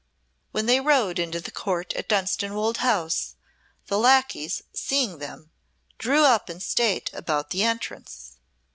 When they rode into the court at Dunstanwolde House, the lacqueys, seeing them, drew up in state about the entrance.